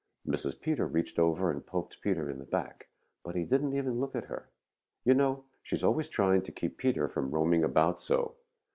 Mrs. Peter reached over and poked Peter in the back, but he didn't even look at her. You know, she is always trying to keep Peter from roaming about so.